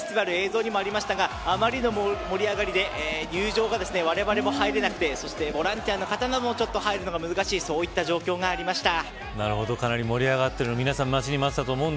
そしてファンフェスティバル映像にもありましたがあまりの盛り上がりで入場がわれわれも入れなくてそしてボランティアの方なども入るのが難しいそういった状況がありました。